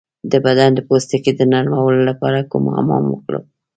د بدن د پوستکي د نرمولو لپاره کوم حمام وکړم؟